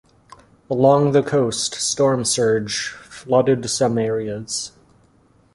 Along the coast, storm surge flooded some areas.